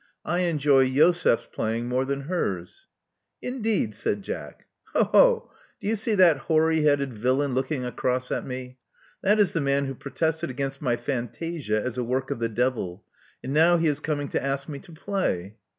I enjoy Josefs' playing more than hers." ••Indeed," said Jack. "Ho! Ho! Do you see that hoary headed villain looking across at us? That is the man who protested against my fantam as a work of the devil; and now he is coming to ask me to play."